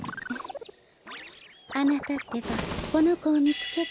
あなたってばこのこをみつけて。